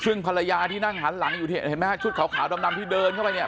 ซึ่งภรรยาที่นั่งหันหลังอยู่เห็นไหมฮะชุดขาวดำที่เดินเข้าไปเนี่ย